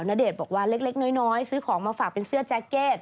ณเดชน์บอกว่าเล็กน้อยซื้อของมาฝากเป็นเสื้อแจ็คเก็ต